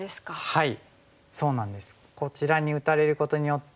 はい。